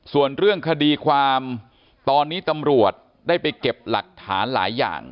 ส่วนเรื่องคดีความตอนนี้ตำรวจได้ไปเก็บหลักฐานหลายอย่าง